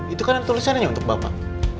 itu kan ada tulisan aja untuk bapak